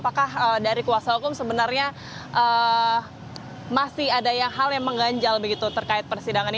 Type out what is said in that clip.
apakah dari kuasa hukum sebenarnya masih ada hal yang mengganjal begitu terkait persidangan ini